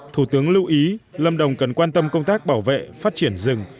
thủ tướng lưu ý lâm đồng cần quan tâm công tác bảo vệ phát triển rừng